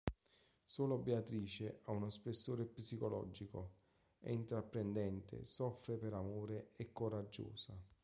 Solo Beatrice ha uno spessore psicologico: è intraprendente, soffre per amore, è coraggiosa.